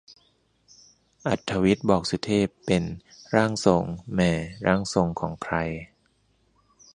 อรรถวิทย์บอกสุเทพเป็น "ร่างทรง" แหม่ ร่างทรงของใคร